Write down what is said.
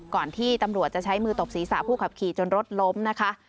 ก่อนที่ตำรวจจะใช้มือตบศีรษะผู้ขับขี่จนรถล้มนะคะ